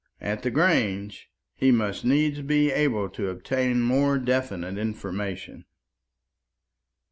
At the Grange he must needs be able to obtain more definite information.